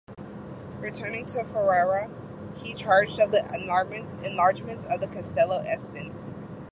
Returning to Ferrara, he was charged of the enlargements of the Castello Estense.